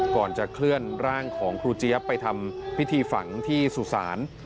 ก่อนจะเคลื่อนร่างของครูเจี๊ยบไปทำพิธีฝังที่สุสาน